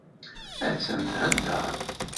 Attan theddeṛ.